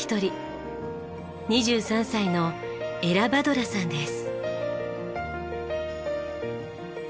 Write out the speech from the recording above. ２３歳のエラ・バドラさんです。